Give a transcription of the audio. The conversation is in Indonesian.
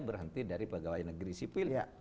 berhenti dari pegawai negeri sipil